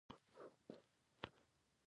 ګلان د ودونو زینت وي.